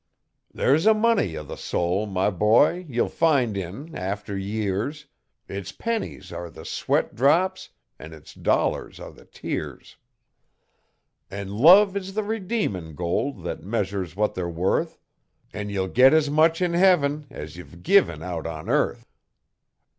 There's a money O' the soul, my boy, ye'll find in after years, Its pennies are the sweat drops an' its dollars are the tears; An' love is the redeemin' gold that measures what they're worth, An' ye'll git as much in Heaven as ye've given out on earth.